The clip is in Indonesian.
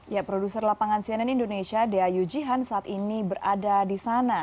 ya produser lapangan cnn indonesia dea yujihan saat ini berada di sana